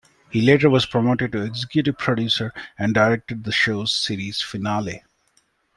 He later was promoted to executive producer and directed the show's series finale.